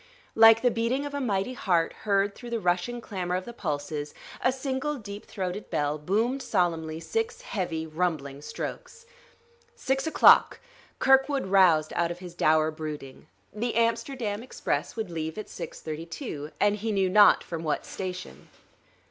Like the beating of a mighty heart heard through the rushing clamor of the pulses, a single deep throated bell boomed solemnly six heavy, rumbling strokes. Six o'clock! Kirkwood roused out of his dour brooding. The Amsterdam express would leave at 6:32, and he knew not from what station.